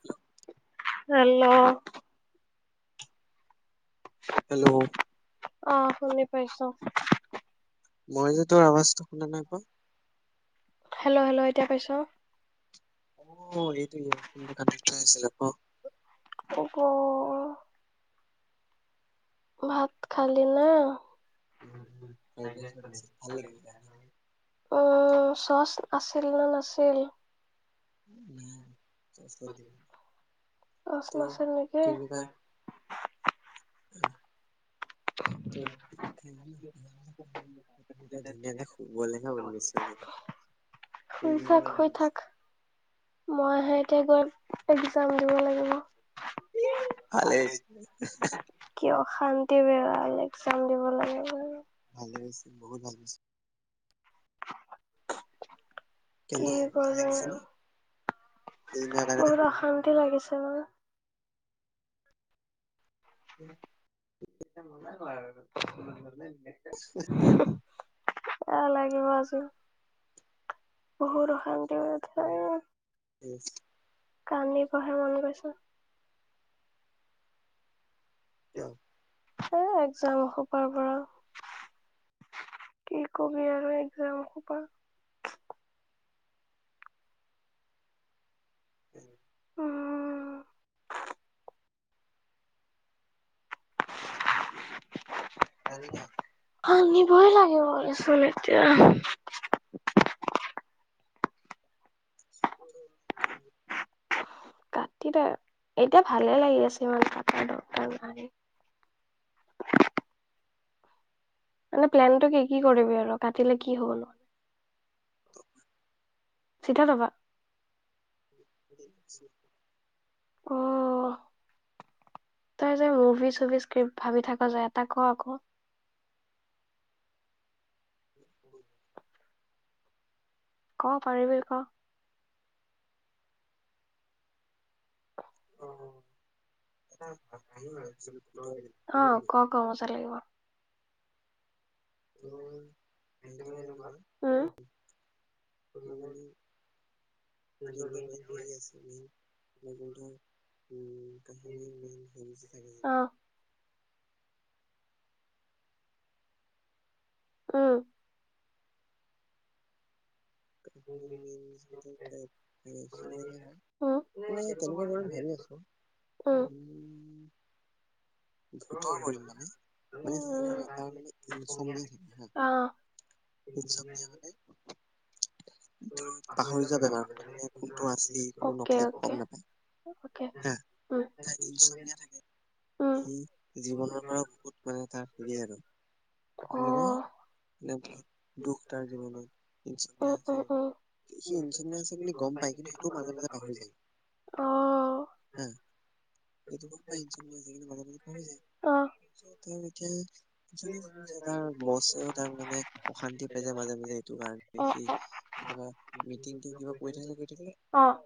Hello. Hello. Hello [unintelligible] অ, শুনি পাইছো। মই যে তোৰ আৱাজটো শুনা নাই। [unintelligible] হেল্ল' হেল্ল' এতিয়া পাইছা? অ এইটো কানেক্ট হৈ আছিল ক। ভাত খালি না? [unintelligible] উ চচ্ আছিল নে নাছিল। চচ্চ তোৰ নাছিল নেকি? কি উম। [unintelligible] ধুনীয়াকে হুবলেহে মন গৈছে মোৰ। শুই থাক দিবলে মন শুই গৈছে থাক মই হে এতিয়া গৈ একযাম দিব লাগিব। উ, ভাল শান্তি বেৰাল একযাম দিব লাগে। ভালে হৈছে বহুত ভাল হৈছে। কি কেনে ভাল কৰে লাগিছে নে দিনৰাত আগতে শুই বহুত অশান্তি লাগিছে। [unintelligible] এ এয়া মজা ক আৰু এয়া লাগিব আজি বহুত অশান্তি হৈ যায়। উম। কান্দিবহে মন গৈছে। কিয়? এ একজাম এসোপাৰ পৰা কি কবি আৰু একজামসোপা। উম। [unintelligible] ভয় লাগিব চোন এতিয়া। [unintelligible] কাটি ত এতিয়া ভালে লাগি আছে ইমান কাটাৰ দৰকাৰ নাই। মানে প্লেনটো কি কি কৰিবি আৰু কাটিলে কি হ'ব ন? চিধা যাবা। [unintelligible] অ তই যে মুভি চুভি স্ক্ৰিপ্ট ভাবি থাক যে এটা ক আক। [unintelligible] ক পাৰিবি ক। কাহিনী ভাবিছিলো ভূতৰ বুলি অ শুনিবি ক ক মজা লাগিব। তুৱা উম ত মানে যটো মেইন হেৰি আছে মেইন বা যটো উ কাহিনী মেইন হে থাকে। অ আহ। উম মই তেনেকুৱা ধৰ ভাবি আছো। উম। ভূতৰ মানে কৰিম সি জান মানে তাৰ মানে ইনচমনিয়া উম। থাকে হা অঁ ইনচমনিয়া মানে কোনে আহিব? তোৰ পাহৰি যোৱা বেমাৰ মানে- মানে কোনটো আছিললি? কোনটো অকে নকলি অকে গম অকে নাপায়। উম, আহ ত ইনচবনিয়া থাকে। উম, সি জীৱনৰ পৰা বহুত মানে তাৰ হেৰি আৰু। নেমে অ', নেম দুখ তাৰ জীৱনত উম, ইনসনিয়া উম, উম, আছে। সি ইনঞ্চমিয়া আছে বুলি গম পায়, কিন্তু সেইটোও মাজে মাজে পাহৰি যায় অ', হা সেইটো গম পায় ইনঞ্চমিয়া আছে, কিন্তু মাজে-মাজে পাহৰি যায়। অ', তেওঁ এতিয়া উ [inaudible] চলি আছে। তাৰ বছেও তাক মানে অশান্তি পাই যায় মাজে- মাজে এইটো কাৰণে অ', সি অ', কেতিয়াবা মিটিংটো কিবা কৰি থাকিলে কৰি থাকিলে অ', অ',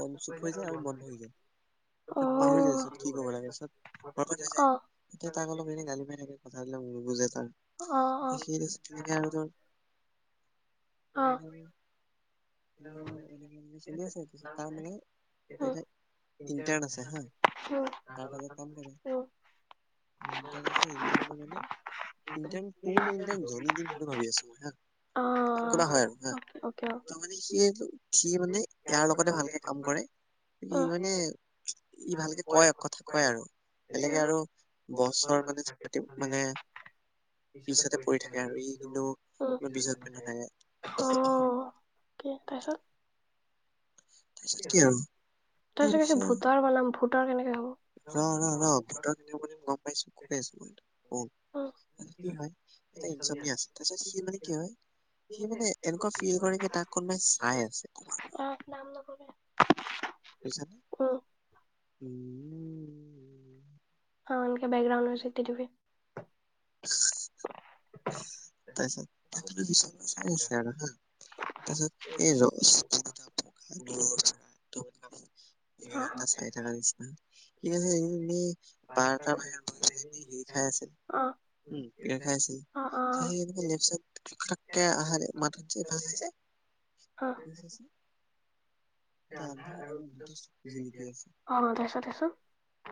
মন চুপ হৈ যায় আৰু বন্ধ হৈ যাযব পাহৰি যায় এতিয়া কি কৰিব লাগেত ঘৰ অ', অ', যায় অ', এয়া তাক অলপ নে গালি মাই থাকে। কথা দিলো। বুজে যাম উম, সেই আৰু তোৰ উম, [unintelligible] চলি আছেত তাৰ মানে এ ইণ্টাৰ্ণ আছে হা তাৰ তলত কাম কৰে উম, ইণ্টাৰ্ণ আছে ইণ্টাৰ্ণটো মানে ইণ্টাৰ্ণ টো না ইণ্টাৰ্ণ জনি নে সেইটো ভাবি আছো মই হা অ', একোবা হয় আৰু হা অকে, অকে, ত মানে সি সি মানে ইয়াৰ লগতে ভালকে কাম কৰে ই অ', মানে ই ভালকে কয় কথা কয় আৰু বেলেগে আৰু বছৰ মানে-মানে পিছতে পৰি থাকে আৰু ই কিন্তু পিছত পৰি নাথাকে ক তাৰ পাছত তাৰপিছত কি আৰু তই চত কিছ ভূতৰ বনাম ভূত তই কেনেকে হ'ব ৰ-ৰ-ৰ ভূতৰ কেনেকেৱনাম গম পাইছো ক আছো উম, মই হয় এতা ইনঞ্চমিয়া আছে তাৰপিছত সি মানে কি হয় সি মানে এনেকুৱা ফিল কৰে তাক কোনোবাই চাই আছে আমাক অ', নাম নকবি, পাইছানে উম, উম [unintelligible] [unintelligible] তাৰ পিছত [unintelligible] চাই আছে আৰু হা তাৰপিছত এই ৰ অ', চাই থ নিচি এ এনে বাৰটাাৰ বাহ বহ এনে হেৰি খাই আছিল অ', উম বিাৰ খাই আছিল অ', অ', [unintelligible] চাই এ অ', অ', আন্ধাৰ আৰু দুটা [unintelligible] জিলিকি আছে। অ তাৰপিছত তাৰপিছত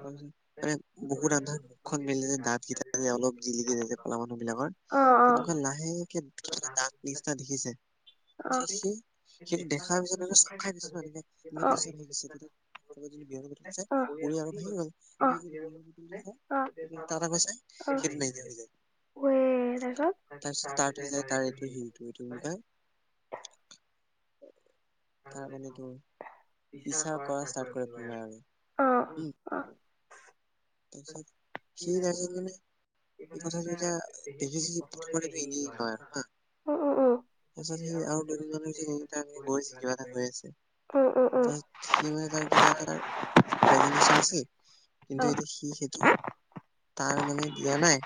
তাৰপিছত বহুত আন্ধাৰ মুখখন মেলি দাঁত কেইটা অলপ জিলিকি আছে কলা মানুহ- বিলাকৰ অ তেনেকুৱা নাহে কে- নিচিনা দেখিছে, তাৰপাছত তাৰপিছত সি সেইটো দেখাৰ পিছতনে চ'ক খাই দিছে ন এনেকে পিছত [unintelligible] বিয়েৰ বটলটো চাই উম [unintelligible] উম আৰু ভাঙি গল সি বিয়েৰ বুটল চাই তাত আকৈ চাই সেইটো নাইকিয়া হৈ যায়। তাৰপিছত ষ্টাৰ্ট হৈ যায় তাৰ তাৰপাছত। [unintelligible] তাৰ মানে তোৰ- পিছা কৰা ষ্টাৰ্ট কৰে উম কোনোবা আৰু অ। তাৰপিছত সি [unintelligible] মানে সেই কথাটো এতিয়া দেখিছে প্ৰথমতেটো এনে লয় আৰু হা তাৰপিছত সি আৰু দুদিন মানুহ [unintelligible] তাৰে গৈছে কিবা উম উম উম এটা। সি মানে তাৰ কিবা এটা প্ৰেজেণ্টেছন আছে কিন্তু- সি সেইটো তাৰ মানে দিয়া নাই।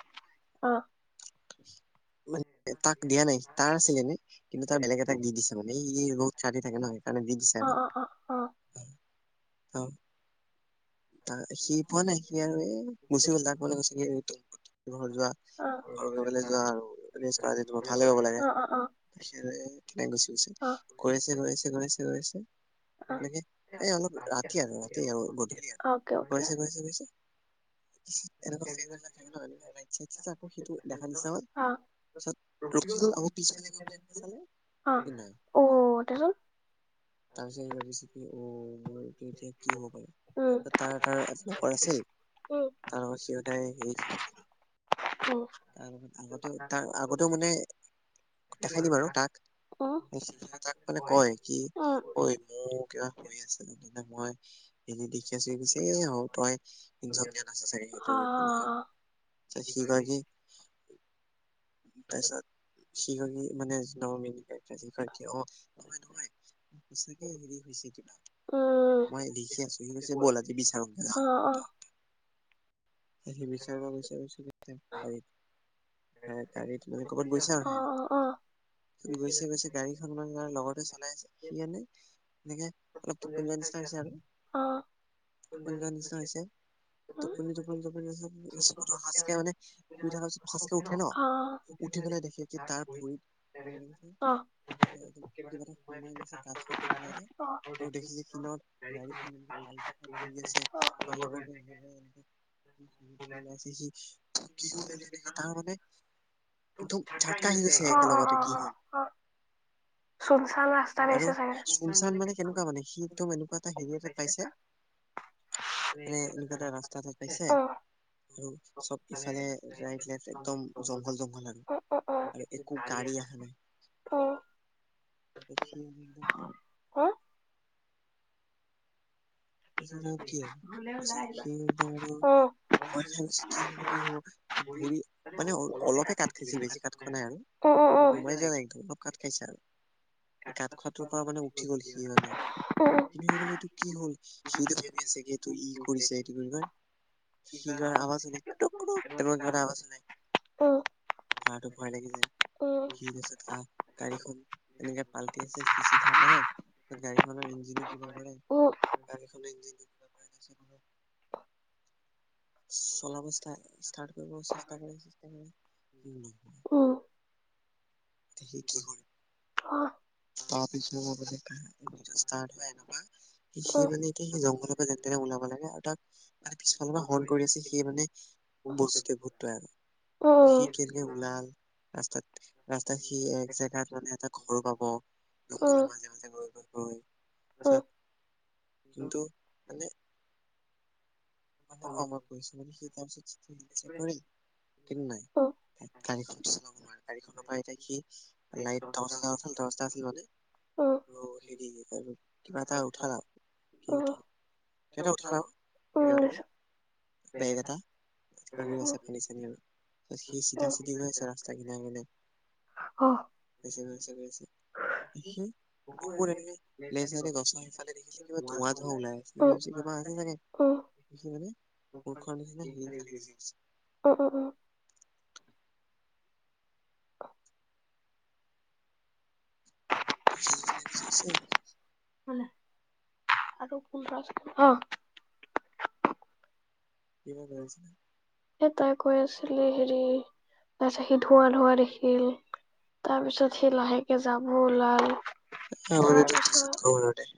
তাক দিয়া নাই তাৰ আছিল যেনে কিন্তু তাৰ বেলেগ এটাক দি দিছে মানে এই ৰত থাকে ন সেইকাৰণে দি দিছে আৰু। অ। তাৰ সি পোৱা নাই সি আৰু এই গুচি গল তাক মানে কৈছে কি ঘৰত যোৱা ঘৰত যোৱা আৰু ৰেষ্ট কৰাগে ভালে হে পাব লাগে। সি কেনেক গুচি গৈছে। গৈ আছে আছে আছে আছে- এনেকে এ অলপ ৰাতি আৰু ৰাতি আৰু গধূলি আৰু। গৈছে - গৈছে- গৈছে। এনেকোৱা ফ্ৰেণ্ড বিলাক থাকে ন [unintelligible] সেইটো [unintelligible] ৰখি গল আকৌ পিছফালে গৈ পেলাই এ চালে সি নাই। তাৰপাছত তাৰ পিছত এই ভাবিছ কি অহ ', মোৰটো এতিয়া কি হ'ব বাৰু। তাৰ - তাৰ [unintelligible] আছিল তাৰ লগত সিয়ো তাই [unintelligible] তাৰ আগতেও তাৰ আগতেও মানে দেখাই দিম আৰু তাক সি তাক মানে কয় কি ঐ মোৰ কিবা হৈ আছে মই এ সখি আছ গৈছে এ হ তই [unintelligible] দিয়া নাচ চাগে সেইটো একো অ নহয় সি কয় কি তাৰপিছত সি কি মানে নমিন অহ ', নহয়- নহয় সচাকে হেৰি হৈছে কিবা, উম মই দেখি আছো সি কৈছে বল আজি বিচাৰুংগে যাম অ অ সি বিচাৰিব বিচাৰিছো পাৰ গাড়ীত মানে ক'বাত গৈছে আৰু অ অ অ অ সি গৈছে- গৈছে গাড়ীখন মানে লগতে চলাই আছে সি এনেই এনেকে অলপ টোপনি যোৱাৰ নিচিনা হৈছে আৰু অ অ টোপনি যোৱাৰ নিচিনা হৈছে টোপনি টোপ - টোপ চকুত সচকে মানে শুই থকাৰ পিছত সাচকে উঠে ন উঠিবলৈ দেখে কি তাৰ ভৰিত ম অ কিবা এটা সোমাই গৈছে কাথৰ টুকুৰা এটা। অ আৰু দেখিছে কিনাৰত গাড়ীখন এনেকে শিলত পালটি খাই পৰি আছে আৰু লগৰটোৱে এই সি এনেকে তাৰ মানে অহ ', একদম - ঝাটকা আহি অহ গৈছে ', একেলগতে - কি হ'ল অহ ', - অহ ', চাগে আৰু চোন চান চুনচান মানে কেনেকুৱা মানে সি একদম এনেকুৱা এটা হেৰি এটাত পাইছে মানে এনেকুৱা এটা ৰাস্তা এটাত পাইছে অ আৰু চব ইফালে ৰাইট লেফট একদম জংঘল - জংঘল আৰু অ অ অ -আৰু একো গাড়ী আহা নাই। অ খি অহ ', তাৰছত আৰু কি আৰু হলে ওলাই তাছত আহিবা হি একদম আৰু অ ভয় খাইছে কি হব- কি হব ভৰি মানে অলপে কাট খাইছিল বেছি কাট খোৱা নাই আৰু অ অ অ অ অ অ অ সোমাই যোৱা নাই একদম অলপ কাট খাইছে আৰু কাট খোৱাটোৰ পৰা মানে উঠি গল সি মানে কিন্তু সি বলে এইটো কি হ'ল। সিটো ভাবি আছে কি এইটো ই কৰিছে এইটো কি বুলি কয় হি কৰা আৱাজটো বেলেগ কুটোক কুটুক তেনেকুৱা আৱাজ ওলাই অ ভয় লাগি যায় সি তাছত আহ গাড়ীখন তেনেকে। পাল্টি আছিল সি চিধা কৰে গাড়ীখনৰ ইঞ্জিনো কিবা কৰে। অ তা খনৰ ইঞ্জিটো চলা বস্তা। ষ্টাৰ্ত কৰিব চেষ্টা কৰে - চেষ্টা কৰে অন নহয়। এতিয়া সি কি কৰে অহ। তাৰপিছত এনেকুৱা সি মানে স্তাৰ্ত হয় এনেকুৱা জংঘলৰ পৰা যেনে তেনে ওলাব লাগে আৰু তাক মানে পিছফালৰ পৰা হণৰ্ণ কৰি আছে সি মানে। বস্তু ভোট আও সি কেনেকে ওলাল। ৰাস্তাত। ৰাস্তা সি এক জেগাত মানে এটা ঘৰ পাব। অ অ জঙ্ঘলৰ মাজে মাজে। অ হয়। কিন্তু মানে। মানে আমাৰ পৰিছে মানে সি। [unintelligible] কৰি কিন্তু নাই আৰু ত গাড়ীখন চলাব নোৱাৰে গাড়ীখনৰ পৰা এতিয়া সি লাইট তৰ্চ এটা আছিল মানে হেৰি আৰু কিবা এটা উঠাল আৰু কি উঠাল কিবাটা উঠাল আৰু। পোন্ধৰ [inaudible] বেগ এটা লৈ আছে পানী চানী আৰু সি চিধা চিধি গৈ আছে ৰাস্তা কিন কিনে। [unintelligible] সি বহুত এনেকে লেচাই গছৰ সিফালে দেখিলে কিবা ধোৱা ধোৱা ওলাই আছে, স কিবা আছে চাগে সি মানে।। মখোৱা নিচিনা সেইাল গুি। অ' [inaudible] মান আৰু পোন্ধ অ'। [inaudible] এ তাই কৈ আছিলি হেৰি, তাৰপিছত সি ধৱা ধৱা দেখিল, তাৰপিছত সি লাহেকে যাব ওলাল। তাৰ পিছত আৰটোছত খবৰে।